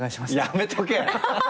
やめとけ。